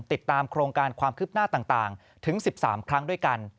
ติดตามโครงการความคืบหน้าต่างถึง๑๓ครั้งด้วยกัน